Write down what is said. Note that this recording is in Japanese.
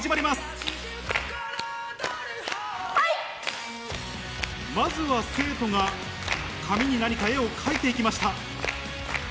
まずは生徒が紙に何か絵を描いて行きました。